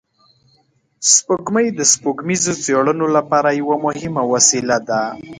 سپوږمۍ د سپوږمیزو څېړنو لپاره یوه مهمه وسیله ده